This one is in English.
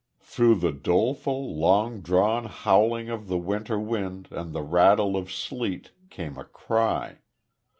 Through the doleful, long drawn howling of the winter wind and the rattle of sleet, came a cry.